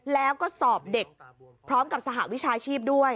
แล้วก็สอบเด็กพร้อมกับสหวิชาชีพด้วย